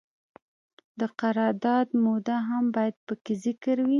د قرارداد موده هم باید پکې ذکر وي.